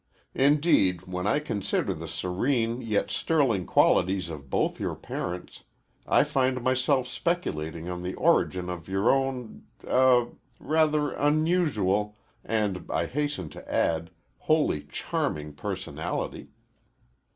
Indeed, when I consider the serene yet sterling qualities of both your parents, I find myself speculating on the origin of your own eh rather unusual and, I hasten to add, wholly charming personality."